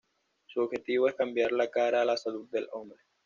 Su objetivo es "cambiar la cara a la salud del hombre".